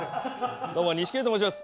どうも錦鯉と申します。